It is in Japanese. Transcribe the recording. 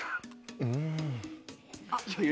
うん。